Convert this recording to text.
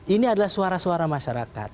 ini adalah suara suara masyarakat